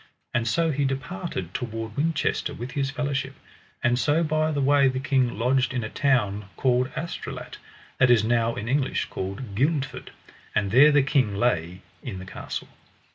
And so he departed toward Winchester with his fellowship; and so by the way the king lodged in a town called Astolat, that is now in English called Guildford, and there the king lay in the castle.